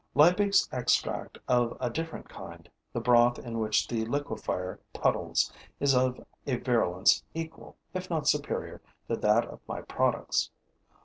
A Liebig's extract of a different kind, the broth in which the liquefier puddles, is of a virulence equal, if not superior, to that of my products.